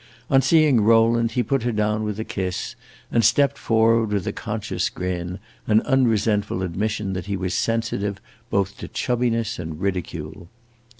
On seeing Rowland he put her down with a kiss, and stepped forward with a conscious grin, an unresentful admission that he was sensitive both to chubbiness and ridicule.